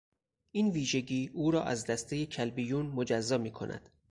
این ویژگی او را از دسته کلبیون مجزا میکند.